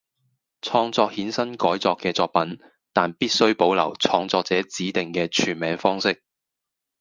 創作衍生改作嘅作品，但必須保留創作者指定嘅全名方式